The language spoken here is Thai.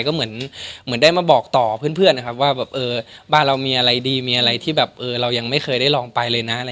ก็เหมือนได้มาบอกต่อเพื่อนนะครับว่าแบบเออบ้านเรามีอะไรดีมีอะไรที่แบบเรายังไม่เคยได้ลองไปเลยนะ